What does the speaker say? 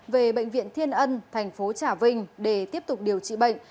về bệnh viện thiên ân thành phố trà vinh để tiếp tục điều trị bệnh